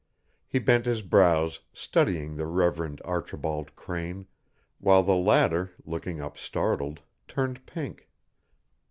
He bent his brows, studying the Reverend Archibald Crane, while the latter, looking up startled, turned pink.